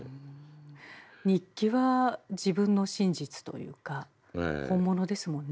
日記は自分の真実というか本物ですもんね。